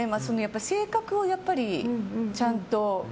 性格をやっぱりちゃんと。